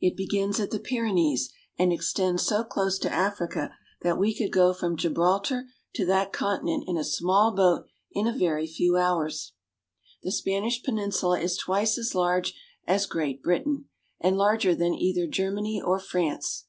It begins at the Pyrenees, and extends so close to Africa that we could go from Gibraltar to that continent in a small boat in a very few hours. The Spanish peninsula is twice as large as Great Britain, and larger than either Germany or France.